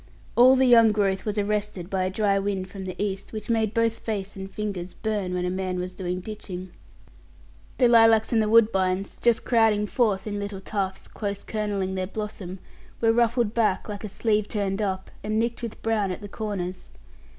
All the young growth was arrested by a dry wind from the east, which made both face and fingers burn when a man was doing ditching. The lilacs and the woodbines, just crowding forth in little tufts, close kernelling their blossom, were ruffled back, like a sleeve turned up, and nicked with brown at the corners.